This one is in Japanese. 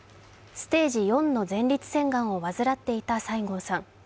ステージ４の前立腺がんを患っていた西郷さん。